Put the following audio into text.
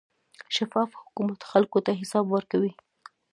شفاف حکومت خلکو ته حساب ورکوي.